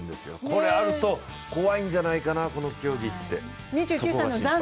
これあると怖いんじゃないかな、この競技って、そこが心配。